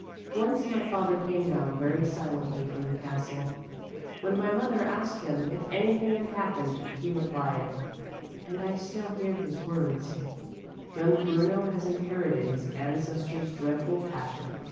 Once my father came down very silently from the castle. When my mother asked him if anything had happened he replied, and I still hear his words 'Young Bruno has inherited his ancestor's dreadful passion.